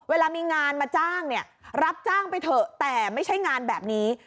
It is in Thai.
เวลามีงานมาจ้างเนี่ยรับจ้างไปเถอะแต่ไม่ใช่งานแบบนี้